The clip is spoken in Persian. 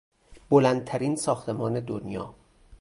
بلندترین ساختمان دنیا